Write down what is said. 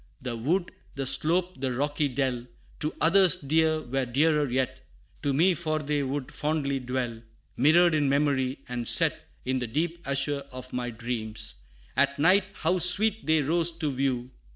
The wood, the slope, the rocky dell, To others dear, were dearer yet To me; for they would fondly dwell Mirrored in memory; and set In the deep azure of my dreams At night, how sweet they rose to view!